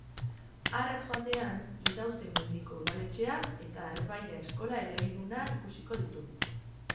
Harat joatean, Idauze-Mendiko udaletxea eta Arbailla eskola elebiduna ikusiko ditugu.